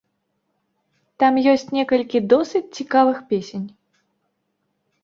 Там ёсць некалькі досыць цікавых песень.